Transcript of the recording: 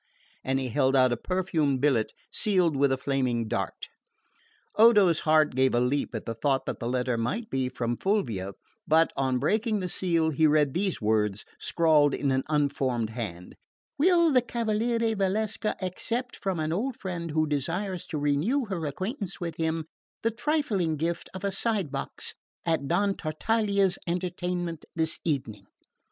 And he held out a perfumed billet sealed with a flaming dart. Odo's heart gave a leap at the thought that the letter might be from Fulvia; but on breaking the seal he read these words, scrawled in an unformed hand: "Will the Cavaliere Valsecca accept from an old friend, who desires to renew her acquaintance with him, the trifling gift of a side box at Don Tartaglia's entertainment this evening?"